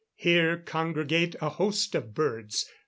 Here congregate a host of birds.